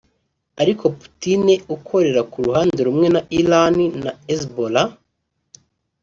ariko Putin ukorera ku ruhande rumwe na Iran na Hezbollah